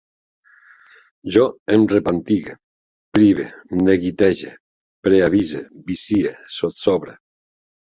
Jo em repantigue, prive, neguitege, preavise, vicie, sotsobre